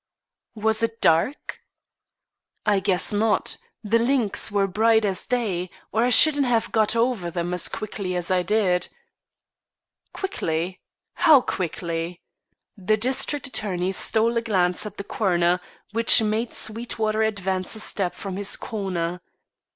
"Was it dark?" "I guess not; the links were bright as day, or I shouldn't have got over them as quickly as I did." "Quickly? How quickly?" The district attorney stole a glance at the coroner, which made Sweetwater advance a step from his corner.